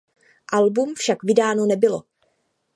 Album však vydáno nebylo.